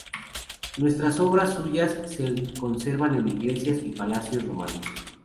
Numerosas obras suyas se conservan en iglesias y palacios romanos.